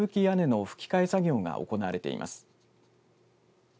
屋根のふき替え作業が行われています。